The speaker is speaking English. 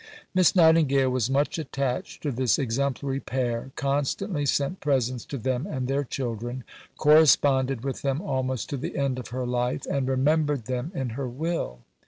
Miss Nightingale was much attached to this exemplary pair, constantly sent presents to them and their children, corresponded with them almost to the end of her life, and remembered them in her Will.